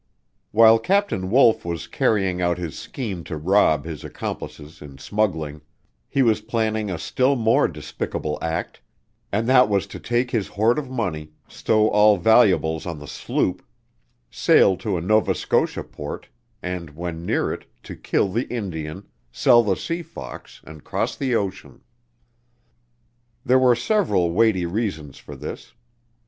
While Captain Wolf was carrying out his scheme to rob his accomplices in smuggling, he was planning a still more despicable act, and that was to take his hoard of money, stow all valuables on the sloop, sail to a Nova Scotia port, and when near it, to kill the Indian, sell the Sea Fox and cross the ocean. There were several weighty reasons for this.